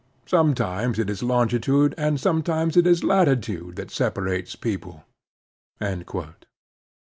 Sometimes it is longitude and sometimes it is latitude that separates people."